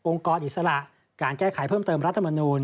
กรอิสระการแก้ไขเพิ่มเติมรัฐมนูล